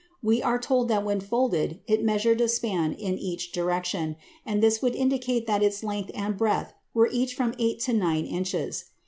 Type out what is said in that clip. We are told that when folded it measured a span in each direction, and this would indicate that its length and breadth were each from eight to nine inches.